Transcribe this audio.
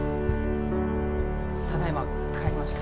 ただいま帰りました。